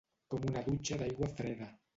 Com una dutxa d'aigua freda.